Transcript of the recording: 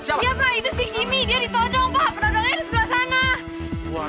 iya pak itu si kimi dia ditodong pak penodongnya di sebelah sana